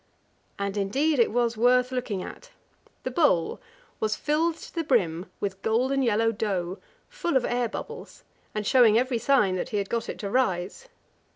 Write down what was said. And indeed it was worth looking at. The bowl was filled to the brim with golden yellow dough, full of air bubbles, and showing every sign that he had got it to rise.